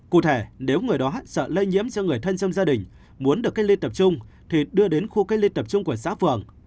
cụ thể nếu người đó sợ lây nhiễm cho người thân trong gia đình muốn được cách ly tập trung thì đưa đến khu cách ly tập trung của xã phường